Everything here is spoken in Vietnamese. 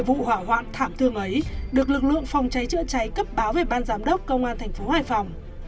vụ hỏa hoạn thảm thương ấy được lực lượng phòng cháy trợ cháy cấp báo về ban giám đốc công an tp hoài phòng